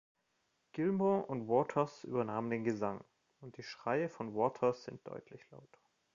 Gilmour und Waters übernahmen den Gesang, und die Schreie von Waters sind deutlich lauter.